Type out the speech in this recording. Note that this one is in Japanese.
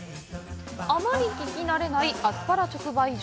あまり聞き慣れないアスパラ直売所。